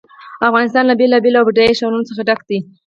افغانستان له بېلابېلو او بډایه ښارونو څخه ډک دی.